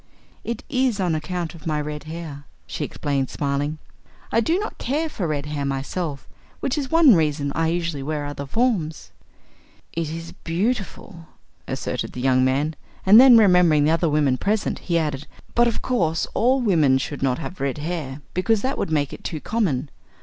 "It is on account of my red hair," she explained smiling. "I do not care for red hair myself, which is one reason I usually wear other forms." "It is beautiful," asserted the young man; and then remembering the other women present he added: "But, of course, all women should not have red hair, because that would make it too common.